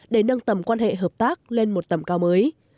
để nâng tầm quan hệ hợp tác lên một tầm cao mới